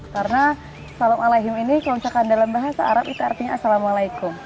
karena salam aleikum ini kalau dinyanyikan dalam bahasa arab itu artinya assalamualaikum